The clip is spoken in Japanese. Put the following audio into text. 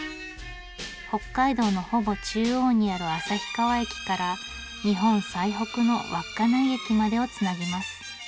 北海道のほぼ中央にある旭川駅から日本最北の稚内駅までをつなぎます。